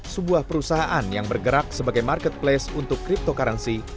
sebuah perusahaan yang bergerak sebagai marketplace untuk cryptocurrency